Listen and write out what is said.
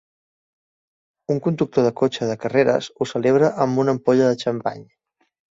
Un conductor de cotxe de carreres ho celebra amb una ampolla de xampany.